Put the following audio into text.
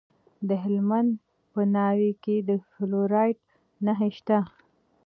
د هلمند په ناوې کې د فلورایټ نښې شته.